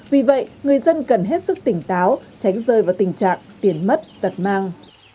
vì vậy người dân cần hết sức tỉnh táo tránh rơi vào tình trạng tiền mất tật mang